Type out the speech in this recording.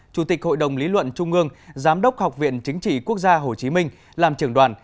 chủ tịch hội đồng lý luận trung ương giám đốc học viện chính trị quốc gia hồ chí minh làm trưởng đoàn